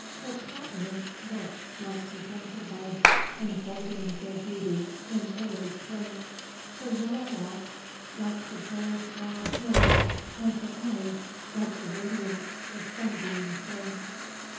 Her countenance looked like the gentle buds Unfolding their beauty in early spring; Her yellow locks like the gold browed hills; And her eyes like the radiance the sunbeams bring.